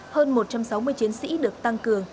hơn một trăm sáu mươi chiến sĩ được tăng cường